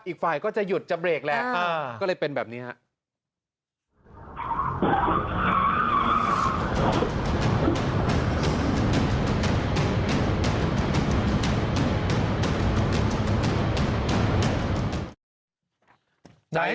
อีกฝ่ายก็จะหยุดจะเบรกแหละก็เลยเป็นแบบนี้ครับ